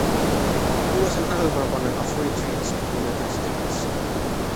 He was an early proponent of free trade with the United States.